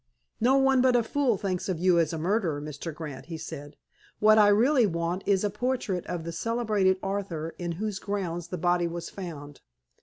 "No one but a fool thinks of you as a murderer, Mr. Grant," he said. "What I really want is a portrait of 'the celebrated' author in whose grounds the body was found."